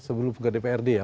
sebelum ke dprd ya